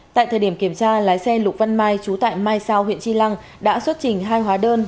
tại thời điểm kiểm tra lái xe lục văn mai trú tại mai sao huyện tri lăng đã xuất trình hai hóa đơn